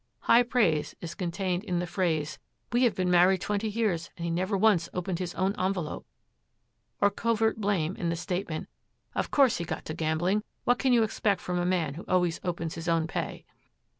High praise is contained in the phrase, 'We have been married twenty years and he never once opened his own envelope'; or covert blame in the statement, 'Of course he got to gambling; what can you expect from a man who always opens his own pay?'